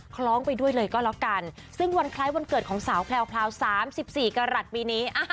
คล้องไปด้วยเลยก็แล้วกันซึ่งวันคล้ายวันเกิดของสาวแพรวแพรวสามสิบสี่กระหลัดปีนี้